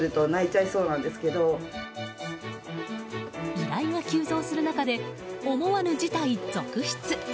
依頼が急増する中で思わぬ事態続出。